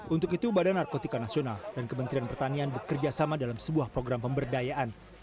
untuk itu badan narkotika nasional dan kementerian pertanian bekerjasama dalam sebuah program pemberdayaan